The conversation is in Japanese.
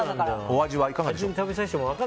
お味はいかがでしょうか？